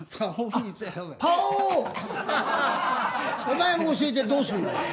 お前が教えてどうすんのよはい。